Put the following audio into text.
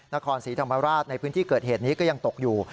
นครศรีธรรมราชในพื้นที่เกิดเหตุนี้ก็ยังตกอยู่